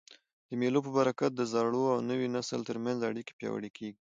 د مېلو په برکت د زاړه او نوي نسل تر منځ اړیکي پیاوړي کېږي.